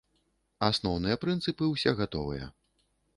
Асноўныя прынцыпы ўсе гатовыя.